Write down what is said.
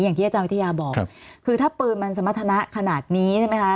อย่างที่อาจารย์วิทยาบอกคือถ้าปืนมันสมรรถนะขนาดนี้ใช่ไหมคะ